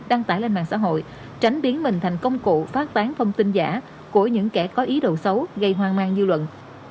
đăng tải lên mạng xã hội tránh biến mình thành công cụ phát tán thông tin giả của những kẻ có ý đồ xấu gây hoang mang dư luận